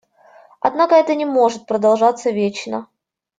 Однако это не может продолжаться вечно.